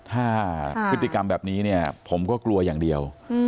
ถ้าพฤติกรรมแบบนี้เนี่ยผมก็กลัวอย่างเดียว